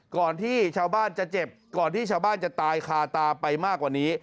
ก่อนที่ชาวบ้านจะเจ็บก่อนที่ชาวบ้านจะตายคาตาไปมากกว่านี้